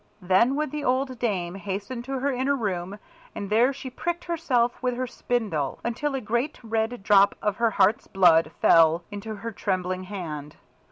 Then would the old dame hasten to her inner room, and there she pricked herself with her spindle, until a great red drop of her heart's blood fell into her trembling hand.